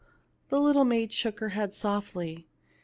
The little maid shook her head softly.